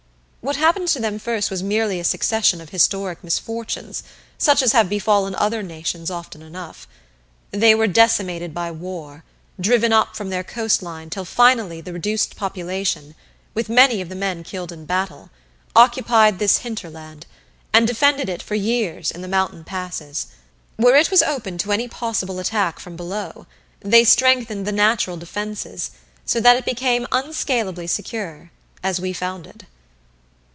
What happened to them first was merely a succession of historic misfortunes such as have befallen other nations often enough. They were decimated by war, driven up from their coastline till finally the reduced population, with many of the men killed in battle, occupied this hinterland, and defended it for years, in the mountain passes. Where it was open to any possible attack from below they strengthened the natural defenses so that it became unscalably secure, as we found it.